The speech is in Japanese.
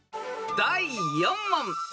［第４問］